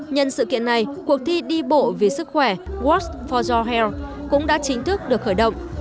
nhân sự kiện này cuộc thi đi bộ vì sức khỏe works for your health cũng đã chính thức được khởi động